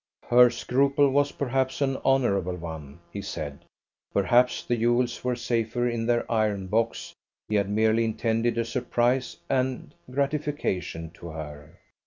Her scruple was perhaps an honourable one, he said. Perhaps the jewels were safer in their iron box. He had merely intended a surprise and gratification to her.